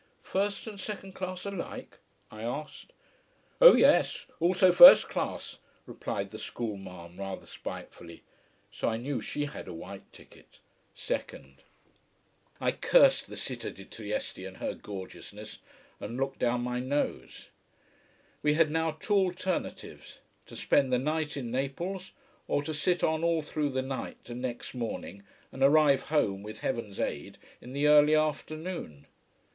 "First and second class alike?" I asked. "Oh yes, also first class," replied the school marm rather spitefully. So I knew she had a white ticket second. I cursed the Città di Trieste and her gorgeousness, and looked down my nose. We had now two alternatives: to spend the night in Naples, or to sit on all through the night and next morning, and arrive home, with heaven's aid, in the early afternoon.